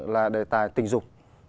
là đề tài tình dục